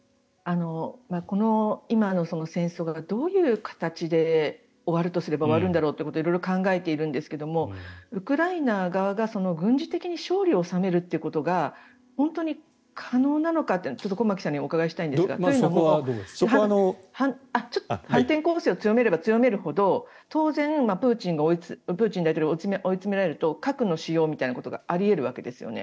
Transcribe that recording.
今の戦争がどういう形で終わるとすれば終わるんだろうということを色々考えているんですがウクライナ側が軍事的に勝利を収めるということが本当に可能なのかというのを駒木さんにお伺いしたいんですが反転攻勢を強めれば強めるほど当然、プーチン大統領が追いつめられると核の使用みたいなことがあり得るわけですよね。